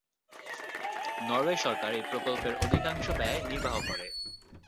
Norway সরকার এই প্রকল্পের অধিকাংশ ব্যয় নির্বাহ করে।